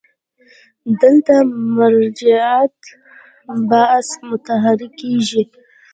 دلته د مرجعیت بحث مطرح کېږي.